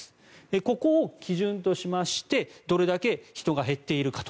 ここを基準としましてどれだけ人が減っているかと。